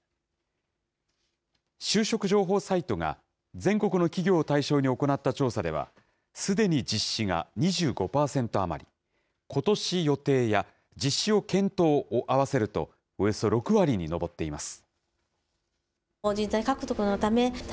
就職情報サイトが、全国の企業を対象に行った調査では、すでに実施が２５％余り、ことし予定や、実施を検討を合わせるとおよそ６割に上っています。